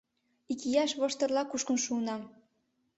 Икияш воштырла кушкын шуынам